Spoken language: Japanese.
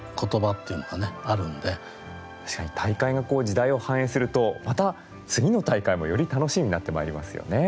確かに大会が時代を反映するとまた次の大会もより楽しみになってまいりますよね。